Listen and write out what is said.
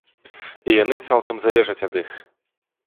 І яны цалкам залежаць ад іх.